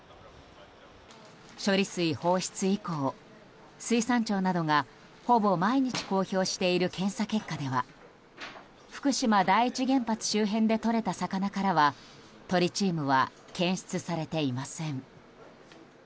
処理水放出以降、水産庁などがほぼ毎日公表している検査結果では、福島第一原発周辺でとれた魚からはトリチウムは検出されていません。